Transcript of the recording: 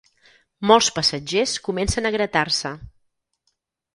Molts passatgers comencen a gratar-se.